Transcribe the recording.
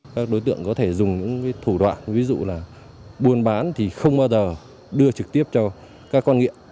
các đối tượng có thể dùng những thủ đoạn ví dụ là buôn bán thì không bao giờ đưa trực tiếp cho các con nghiện